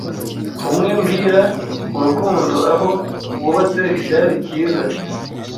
Umwe mbwira UrukundoAho wubatse icyari cyiza